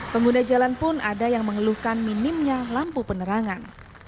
pengguna jalan pun ada yang mengeluhkan minimnya lampu penerangan